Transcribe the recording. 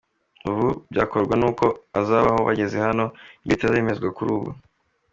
Uko byakorwa n’uko bazabaho bageze hano nibyo bitaremezwa kugeza ubu.”